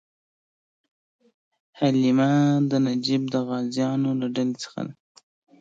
هیلیم د نجیبه غازونو له ډلې څخه دی.